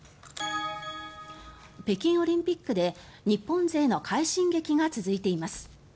北京オリンピックで日本勢の快進撃が続いています。